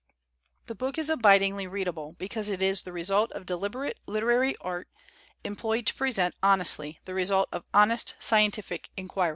The book is abidingly readable because it is the result of deliberate literary art employed to present honestly the result of honest, scien tific inquiry.